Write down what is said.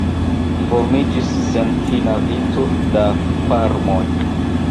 Formiĝis senfina vico da farmoj.